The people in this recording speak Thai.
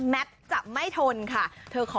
แมทจะไม่ทนค่ะเธอขอ